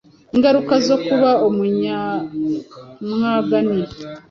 Ingaruka zo kuba umunyamwaga ni: